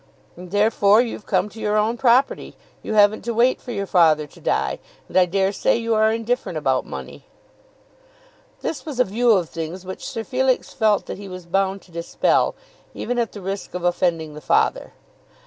"And therefore you've come to your own property. You haven't to wait for your father to die, and I dare say you are indifferent about money." This was a view of things which Sir Felix felt that he was bound to dispel, even at the risk of offending the father.